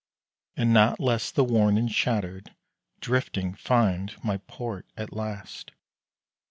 And not less the worn and shattered, Drifting, find my port at last.